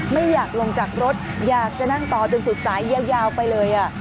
ไม่อยากลงจากรถอยากจะนั่งต่อจนสุดสายยาวไปเลย